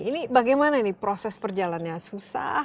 ini bagaimana ini proses perjalannya susah